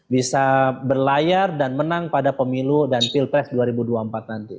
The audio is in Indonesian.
bisa berlayar dan menang pada pemilu dan pilpres dua ribu dua puluh empat nanti